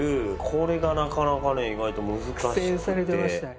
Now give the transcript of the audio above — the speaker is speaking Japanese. これがなかなかね意外と難しくて。